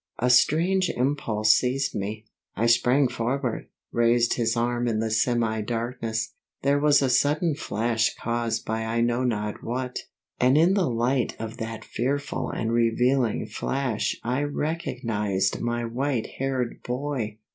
A strange impulse seized me. I sprang forward, raised his arm in the semi darkness; there was a sudden flash caused by I know not what, and in the light of that fearful and revealing flash I recognized my white haired boy!